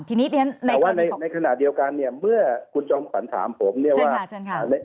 แต่ว่าในขณะเดียวกันเนี่ยเมื่อคุณจอมฝันถามผมเนี่ยว่าจนค่ะ